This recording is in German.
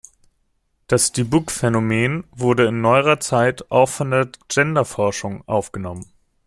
Das Dibbuk-Phänomen wurde in neuerer Zeit auch von der Genderforschung aufgenommen.